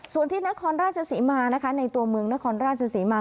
ส่วนที่นครราชศรีมานะคะในตัวเมืองนครราชศรีมา